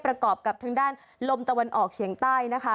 ประกอบกับทางด้านลมตะวันออกเฉียงใต้นะคะ